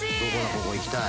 ここ行きたい。